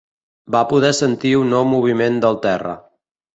Va poder sentir un nou moviment del terra.